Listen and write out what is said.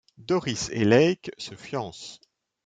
Doris et Lake se fiancent.